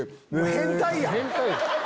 変態やん！